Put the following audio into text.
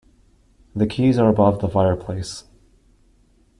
The keys are above the fireplace.